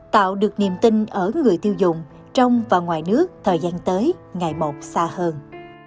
tạo được niềm tin ở người tiêu dùng trong và ngoài nước thời gian tới ngày một xa hơn